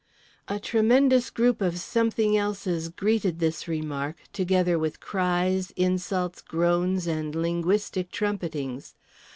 A tremendous group of Something Elses greeted this remark together with cries, insults, groans and linguistic trumpetings.